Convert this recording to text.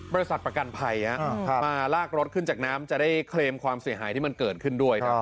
บริษัทประกันภัยนะครับมาลากรถขึ้นจากน้ำจะได้เคลมความเสี่ยหายที่มันเกิดคืนดี